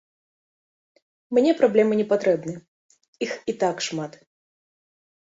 Мне праблемы не патрэбны, іх і так шмат.